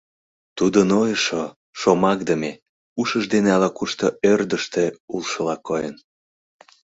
Тудо нойышо, шомакдыме, ушыж дене ала-кушто ӧрдыжтӧ улшыла койын.